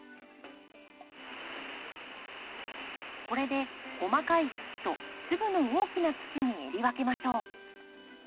これで細かい土と粒の大きな土にえり分けましょう。